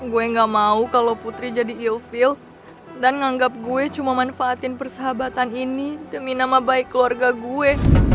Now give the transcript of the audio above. gue gak mau kalau putri jadi iofil dan menganggap gue cuma manfaatin persahabatan ini demi nama baik keluarga gue